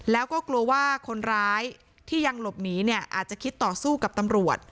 แล้วก็กลัวว่าคนร้ายที่ยังหลบหนีเนี่ยอาจจะคิดต่อสู้กับตำรวจ